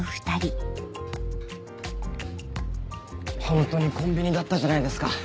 ホントにコンビニだったじゃないですか。